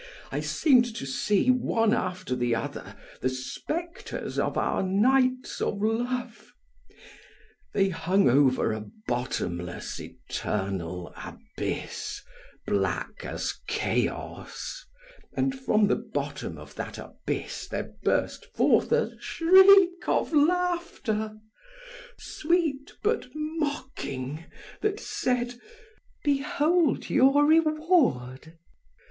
I seemed to see, one after the other, the specters of our nights of love; they hung over a bottomless eternal abyss, black as chaos, and from the bottom of that abyss there burst forth a shriek of laughter, sweet but mocking, that said: "Behold your reward!"